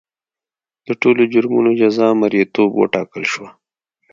د ټولو جرمونو جزا مریتوب وټاکل شوه.